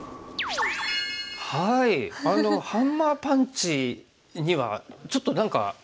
ハンマーパンチにはちょっと何か。